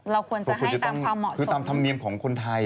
เราควรจะให้ตามความเหมาะสมคือตามธรรมเนียมของคนไทย